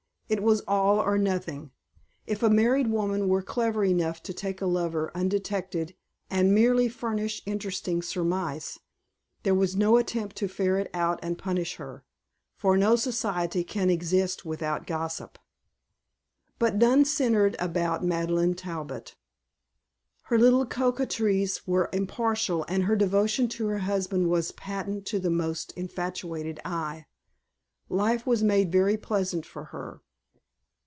It was all or nothing. If a married woman were clever enough to take a lover undetected and merely furnish interesting surmise, there was no attempt to ferret out and punish her; for no society can exist without gossip. But none centered about Madeleine Talbot. Her little coquetries were impartial and her devotion to her husband was patent to the most infatuated eye. Life was made very pleasant for her.